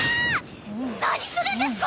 何するんですか！